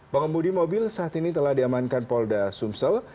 pengemudi mobil saat ini telah diamankan polda sumsel